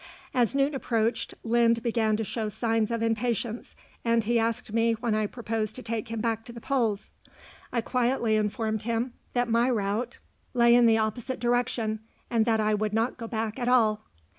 As noon approached, Lynd began to show signs of impatience, and he asked me when I proposed to take him back to the polls. I quietly informed him that my route lay in the opposite direction, and that I would not go back at all.